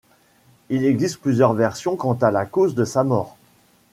Il existe plusieurs versions quant à la cause de sa mort.